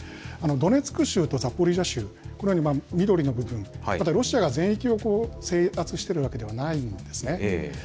ドネツク州とザポリージャ州、このように緑の部分、ロシアが全域を制圧しているわけではないんですね。